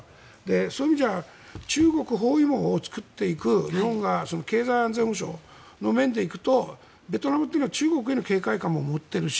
そういう意味では中国包囲網を作っていく日本が経済安全保障の面で行くとベトナムというのは中国への警戒感も持っているし